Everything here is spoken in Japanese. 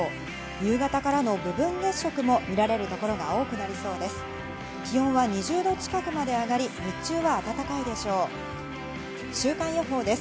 夕方からの部分月食も見られるところが多くなりそうです。